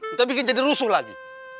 entah bikin jadi rusuh lagi